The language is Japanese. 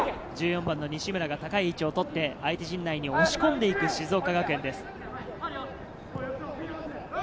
１４番の西村が高い位置をとって、相手陣内に押し込んで行く静岡学園です。